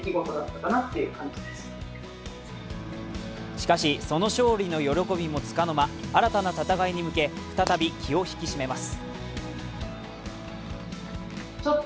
しかし、その勝利の喜びもつかの間、新たな戦いに向け再び気を引き締めます。